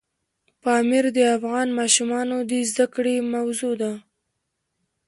پامیر د افغان ماشومانو د زده کړې موضوع ده.